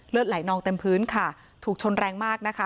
ไหลนองเต็มพื้นค่ะถูกชนแรงมากนะคะ